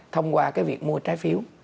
thông qua cái việc mua trái phiếu